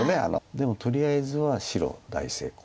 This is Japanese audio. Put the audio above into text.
でもとりあえずは白大成功。